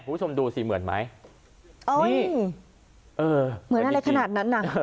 คุณผู้ชมดูสิเหมือนไหมเอ้ยเออเหมือนอะไรขนาดนั้นน่ะ